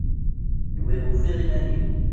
Nwiɣ ufiɣ iman-iw!